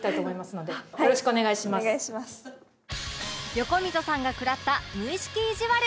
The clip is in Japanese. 横溝さんが食らった無意識いじわる